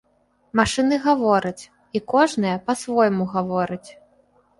Машыны гавораць, і кожная па-свойму гаворыць.